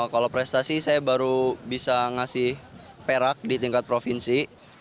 kalau prestasi saya baru bisa ngasih perak di tingkat provinsi